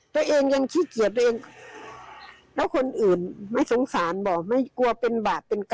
ตัวเองยังขี้เกียจตัวเอง